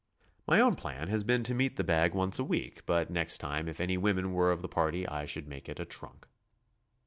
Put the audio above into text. My own plan has been to meet the bag once a week, but next time if any women were of the party, I should make it a trunk.